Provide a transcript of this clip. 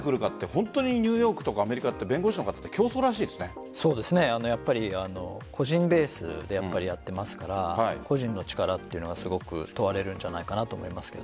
本当にニューヨークとかアメリカは弁護士の方は個人ベースでやっていますから個人の力はすごく問われるんじゃないかと思います。